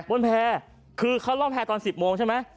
ก็ได้ต้องร่องแพรตอนสิบโมงใช่มั้ย